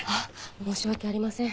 申し訳ありません。